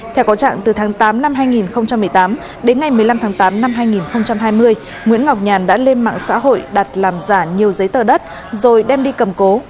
theo có trạng từ tháng tám năm hai nghìn một mươi tám đến ngày một mươi năm tháng tám năm hai nghìn hai mươi nguyễn ngọc nhàn đã lên mạng xã hội đặt làm giả nhiều giấy tờ đất rồi đem đi cầm cố